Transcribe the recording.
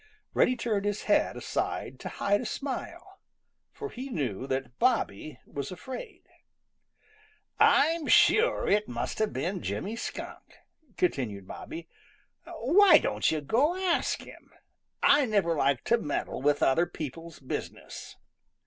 Reddy turned his head aside to hide a smile, for he knew that Bobby was afraid. "I'm sure it must have been Jimmy Skunk," continued Bobby. "Why don't you go ask him? I never like to meddle with other people's business."